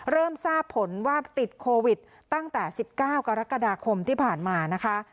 เริ่มทราบผลว่าติดโควิดตั้งแต่๑๙กรกฎาคมที่ผ่านมานะคะ